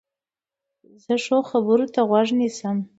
زه ښو خبرو ته غوږ نیسم.